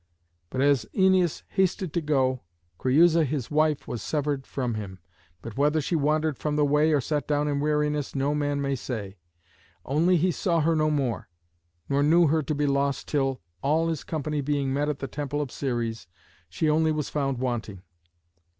But as Æneas hasted to go, Creüsa his wife was severed from him. But whether she wandered from the way or sat down in weariness, no man may say. Only he saw her no more, nor knew her to be lost till, all his company being met at the temple of Ceres, she only was found wanting.